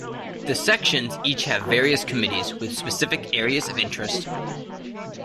The Sections each have various committees with specific areas of interest.